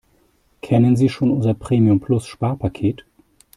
Kennen Sie schon unser Premium-Plus-Sparpaket?